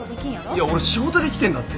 いや俺仕事で来てんだって。